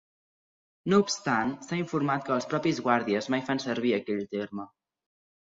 No obstant, s'ha informat que els propis guàrdies mai fan servir aquell terme.